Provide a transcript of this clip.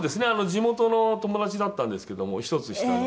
地元の友達だったんですけども１つ下の。